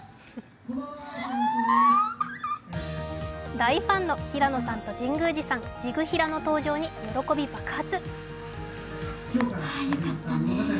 大ファンの平野さんと神宮寺さん、じぐひらの登場に喜び爆発。